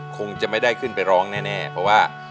คงจะไม่ได้ขึ้นไปร้องแน่เพราะว่า